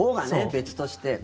別として。